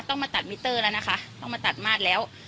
ต้องมาตัดมิเตอร์แล้วนะคะต้องมาตัดมาดแล้ว